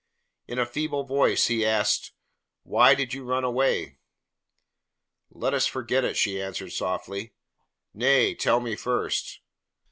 In a feeble voice he asked: "Why did you run away?" "Let us forget it," she answered softly. "Nay tell me first."